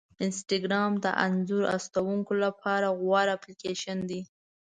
انسټاګرام د انځور ایستونکو لپاره غوره اپلیکیشن دی.